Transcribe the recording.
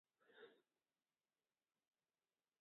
دوی په جنوبي وېلز یا د ویکټوریا په تازه تاسیس شوي ایالت کې وو.